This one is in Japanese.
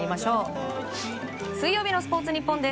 水曜日のスポーツニッポンです。